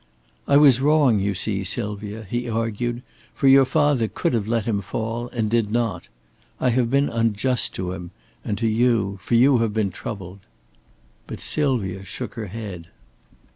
"I was wrong you see, Sylvia," he argued. "For your father could have let him fall, and did not. I have been unjust to him, and to you, for you have been troubled." But Sylvia shook her head.